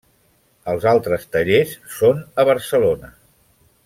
Els altres tallers són a Barcelona.